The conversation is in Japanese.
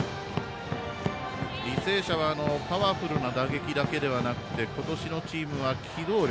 履正社はパワフルな打撃だけじゃなく今年のチームは機動力。